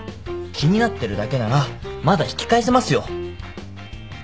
気になってるだけならまだ引き返せますよ。